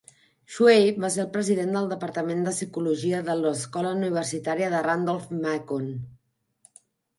Shuey va ser el president del departament de psicologia de l'Escola Universitària de Randolph-Macon.